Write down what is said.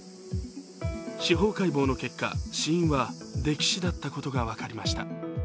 司法解剖の結果、死因は溺死だったことが分かりました。